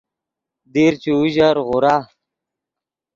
دیر چے اوژر غورا